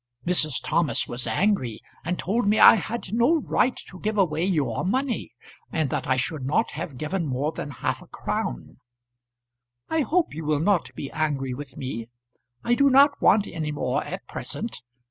Mrs. Thomas was angry, and told me I had no right to give away your money, and that I should not have given more than half a crown. I hope you will not be angry with me. I do not want any more at present.